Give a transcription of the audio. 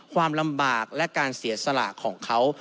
ความลำบากและการเสียสละของเขา